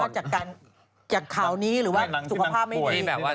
หมายถึงว่าจากคราวนี้หรือว่าสุขภาพไม่ดี